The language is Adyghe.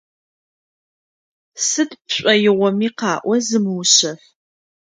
Сыд пшӏоигъоми къаӏо, зымыушъэф.